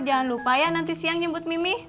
jangan lupa ya nanti siang nyebut mimi